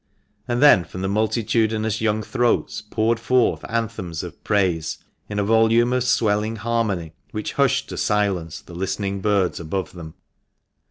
And then from the multitudinous young throats poured forth anthems of praise in a volume of swelling harmony which hushed to silence the listening birds above them.